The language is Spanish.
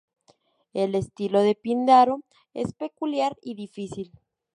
El estilo de Píndaro es peculiar y difícil.